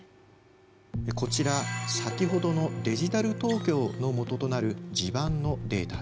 こちら先ほどのデジタル東京の基となる地盤のデータです。